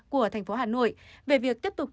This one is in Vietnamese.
của thành phố hà nội về việc tiếp tục